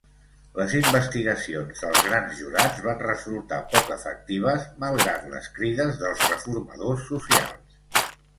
Les investigacions dels grans jurats van resultar poc efectives, malgrat les crides dels reformadors socials.